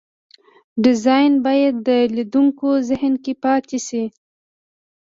ډیزاین باید د لیدونکو ذهن کې پاتې شي.